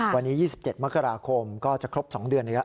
วันนี้๒๗มกราคมก็จะครบ๒เดือนอีกแล้ว